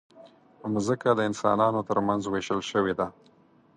مځکه د انسانانو ترمنځ وېشل شوې ده.